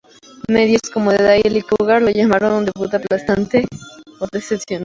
Medios cómo "The Daily Cougar" lo llamaron "un debut aplastante" o decepcionante.